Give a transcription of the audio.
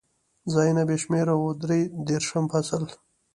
ځایونه بې شمېره و، درې دېرشم فصل.